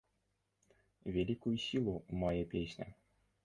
Вялікую сілу мае песня.